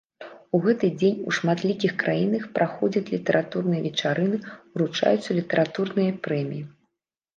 У гэты дзень у шматлікіх краінах праходзяць літаратурныя вечарыны, уручаюцца літаратурныя прэміі.